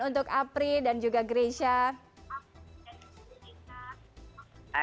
untuk apri dan juga grecia